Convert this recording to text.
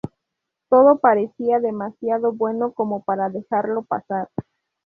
Todo parecía demasiado bueno como para dejarlo pasar.